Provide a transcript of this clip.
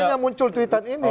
makanya muncul tweetan ini